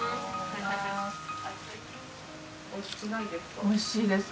おいしいです。